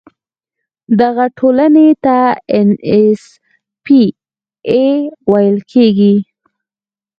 دغه ټولنې ته ان ایس پي اي ویل کیږي.